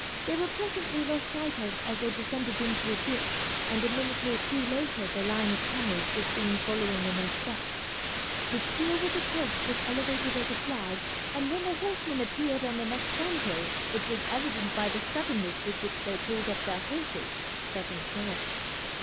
They were presently lost sight of as they descended into a dip, and a minute or two later the line of camels was seen following in their steps. The spear with the cloth was elevated as a flag; and when the horsemen appeared on the next sand hill, it was evident by the suddenness with which they pulled up their horses that they saw it.